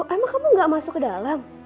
emang kamu gak masuk ke dalam